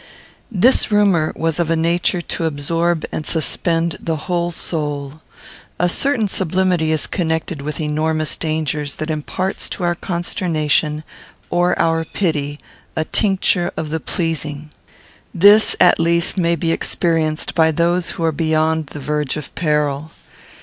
This rumour was of a nature to absorb and suspend the whole soul. A certain sublimity is connected with enormous dangers that imparts to our consternation or our pity a tincture of the pleasing. This, at least, may be experienced by those who are beyond the verge of peril.